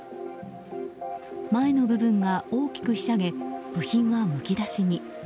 前の部分が大きくひしゃげ部品はむき出しに。